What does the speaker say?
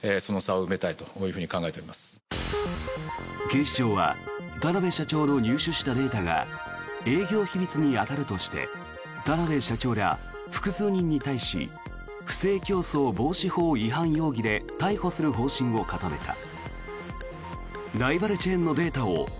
警視庁は田邊社長の入手したデータが営業秘密に当たるとして田邊社長ら複数人に対し不正競争防止法違反容疑で逮捕する方針を固めた。